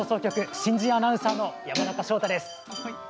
新人アナウンサーの山中翔太です。